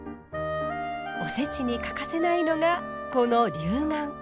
おせちに欠かせないのがこの龍眼。